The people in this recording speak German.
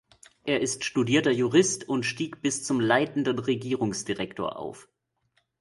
Er ist studierter Jurist und stieg bis zum leitenden Regierungsdirektor auf.